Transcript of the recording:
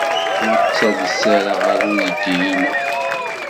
Ur ttades ara ɣer uydi-inna.